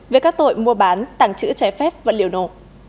về các tội mua bán tàng trữ trái phép vật liệu nổ